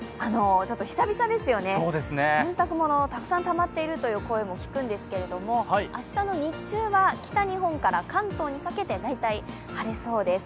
久々ですよね、洗濯物たくさんたまっているという声も聞くんですけれども、明日の日中は北日本から関東にかけて、大体晴れそうです。